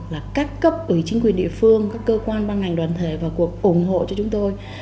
là các cấp ủy chính quyền địa phương các cơ quan ban ngành đoàn thể vào cuộc ủng hộ cho chúng tôi